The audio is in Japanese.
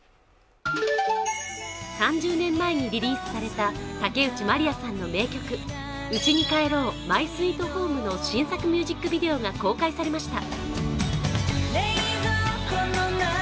３０年前にリリースされた竹内まりやの名曲「家に帰ろうマイ・スイート・ホーム」の新作ミュージックビデオが公開されました。